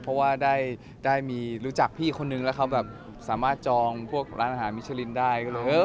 เพราะว่าได้มีรู้จักพี่คนนึงแล้วเขาแบบสามารถจองพวกร้านอาหารมิชลินได้ก็เลยเออ